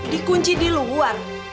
di kunci di luar